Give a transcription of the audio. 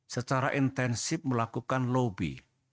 secara intensif melakukan lobi